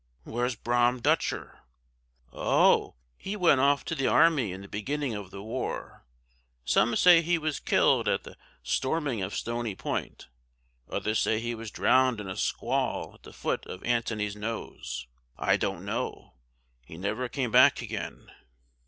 "Where's Brom Dutcher?" "Oh, he went off to the army in the beginning of the war; some say he was killed at the storming of Stony Point others say he was drowned in a squall at the foot of Antony's Nose. I don't know he never came back again."